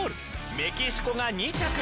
メキシコが２着。